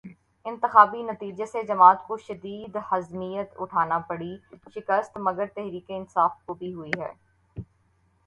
انتخابی نتیجے سے جماعت کو شدید ہزیمت اٹھانا پڑی، شکست مگر تحریک انصاف کو بھی ہوئی ہے۔